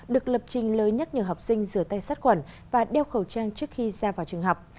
được lập trình lời nhắc nhờ học sinh rửa tay sát khuẩn và đeo khẩu trang trước khi ra vào trường học